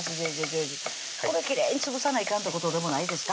きれいに潰さないかんってことでもないですか？